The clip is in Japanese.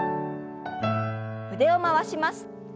腕を回します。